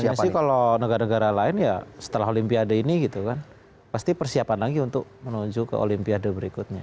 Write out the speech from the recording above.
idealnya sih kalau negara negara lain setelah olimpiade ini pasti persiapan lagi untuk menuju ke olimpiade berikutnya